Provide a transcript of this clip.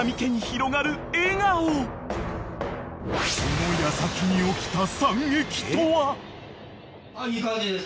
［その矢先に起きた惨劇とは］いい感じです。